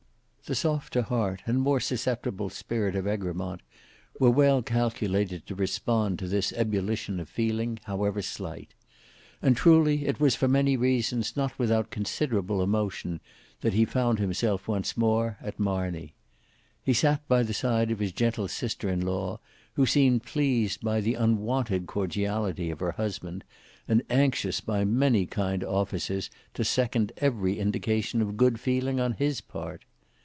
The softer heart and more susceptible spirit of Egremont were well calculated to respond to this ebullition of feeling, however slight; and truly it was for many reasons not without considerable emotion, that he found himself once more at Marney. He sate by the side of his gentle sister in law, who seemed pleased by the unwonted cordiality of her husband, and anxious by many kind offices to second every indication of good feeling on his part.